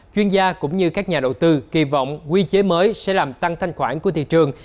chuyên gia cũng như các nhà đầu tư kỳ vọng quy chế mới sẽ làm tăng thanh khoản của thị trường